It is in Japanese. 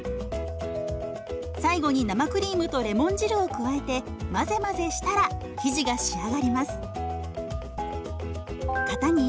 最後に生クリームとレモン汁を加えて混ぜ混ぜしたら生地が仕上がります。